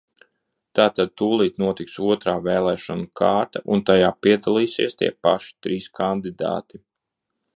Tātad tūlīt notiks otrā vēlēšanu kārta, un tajā piedalīsies tie paši trīs kandidāti.